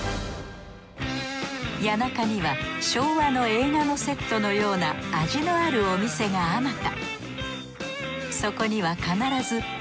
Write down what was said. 谷中には昭和の映画のセットのような味のあるお店があまた。